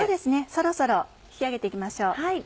そろそろ引き上げて行きましょう。